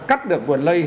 cắt được vườn lây